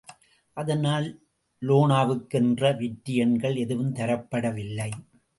அதனால் லோனாவுக்கு என்று வெற்றி எண்கள் எதுவும் தரப்படவில்லை.